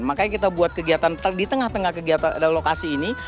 makanya kita buat kegiatan di tengah tengah kegiatan dan lokasi ini